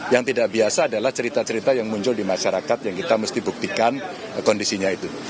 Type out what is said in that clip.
yang tidak biasa adalah cerita cerita yang muncul di masyarakat yang kita mesti buktikan kondisinya itu